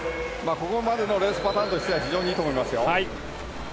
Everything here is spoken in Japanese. ここまでのレースパターンとしては非常にいいと思いますよ。